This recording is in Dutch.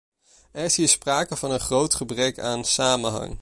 Er is hier sprake van een groot gebrek aan samenhang.